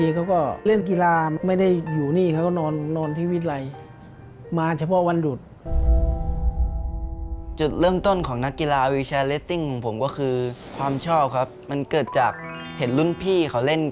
ก็มีคนเคยได้เชื่อกับผม